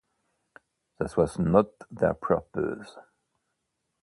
That was not their purpose.